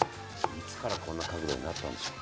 いつからこんな角度になったんでしょう。